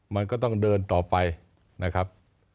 มันก็ต้องเดินต่อไปนะครับ